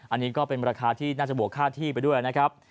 อันนี้ก็เป็นราคาที่น่าจะบวกค่าที่ไปด้วยนะครับ